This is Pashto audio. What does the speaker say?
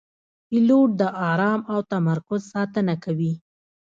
پیلوټ د آرام او تمرکز ساتنه کوي.